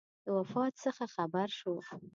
د وفات څخه خبر شو.